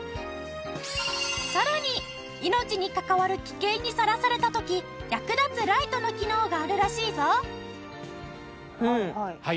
さらに命に関わる危険にさらされた時役立つライトの機能があるらしいぞ。